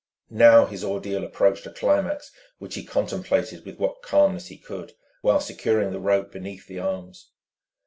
Now his ordeal approached a climax which he contemplated with what calmness he could while securing the rope beneath the arms.